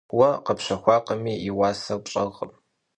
Уэ къэпщэхуакъыми, и уасэр пщӀэркъым.